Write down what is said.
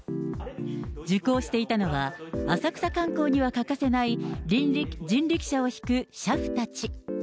受講していたのは、浅草観光には欠かせない人力車を引く車夫たち。